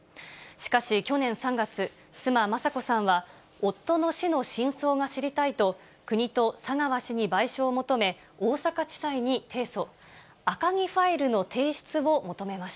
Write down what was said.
しかし、去年３月、妻、雅子さんは、夫の死の真相が知りたいと、国と佐川氏に賠償を求め、大阪地裁に提訴。